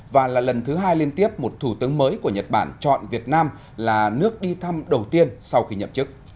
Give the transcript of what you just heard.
và là lần thứ hai liên tiếp một thủ tướng mới của nhật bản chọn việt nam là nước đi thăm đầu tiên sau khi nhậm chức